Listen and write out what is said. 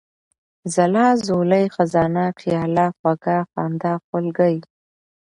ځلا ، ځولۍ ، خزانه ، خياله ، خوږه ، خندا ، خولگۍ ،